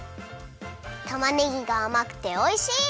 たまねぎがあまくておいしい！